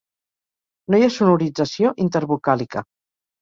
No hi ha sonorització intervocàlica.